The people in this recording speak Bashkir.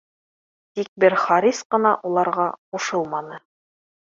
Тик бер Харис ҡына уларға ҡушылманы